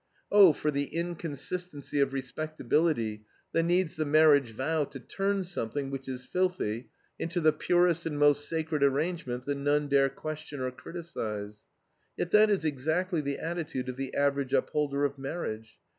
Oh, for the inconsistency of respectability, that needs the marriage vow to turn something which is filthy into the purest and most sacred arrangement that none dare question or criticize. Yet that is exactly the attitude of the average upholder of marriage.